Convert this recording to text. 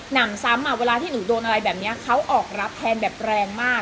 นำซ้ำเวลาที่หนูโดนอะไรแบบนี้เขาออกรับแทนแบบแรงมาก